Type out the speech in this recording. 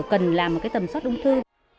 cần làm một cái tầm sốt ung thư